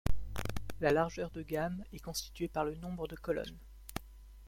La largeur de gamme est constituée par le nombre de colonnes.